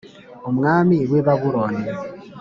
umwami w’i Babiloni,